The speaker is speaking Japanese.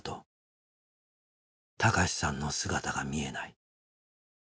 孝さんの姿が見えない。